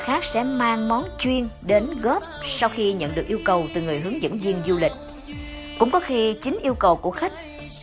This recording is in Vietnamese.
khách dùng bữa tại một nhà các nhà khác sẽ mang món chuyên đến góp sau khi nhận được yêu cầu từ người hướng dẫn viên du lịch cũng có khi chính yêu cầu của khách